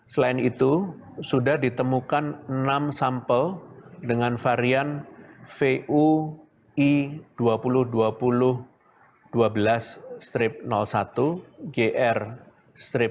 selain itu sudah ditemukan enam sampel dengan varian vui dua ribu dua puluh dua belas satu gr lima ratus satu yv satu b satu satu tujuh